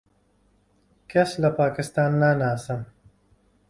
کەس لە پاکستان ناناسم.